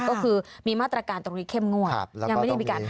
ก็คือมีมาตรการตรงนี้เข้มงวดยังไม่ได้มีการ